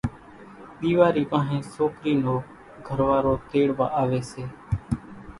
ۮيوارِي وانھين سوڪرِي نو گھروارو تيڙوا آوي سي